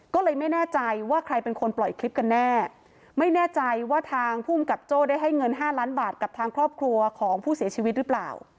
ก็เลยไม่แน่ใจว่าใครเป็นคนปล่อยคลิปกันแน่ไม่แน่ใจว่าทางภูมิกับโจ้ได้ให้เงิน๕ล้านบาทกับทางครอบครัวของผู้เสียชีวิตหรือเปล่า